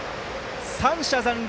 ３者残塁。